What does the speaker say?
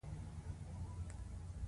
_کور ته نه ځې؟